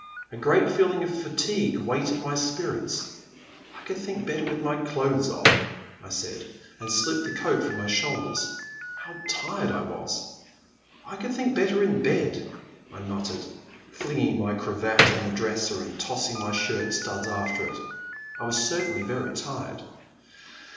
A great feeling of fatigue weighted my spirits. I can think better with my clothes off," I said, and slipped the coat from my shoulders. How tired I was. I can think better in bed," I muttered, flinging my cravat on the dresser and tossing my shirt studs after it. I was certainly very tired.